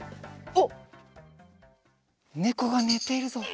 おっねこがねているぞ。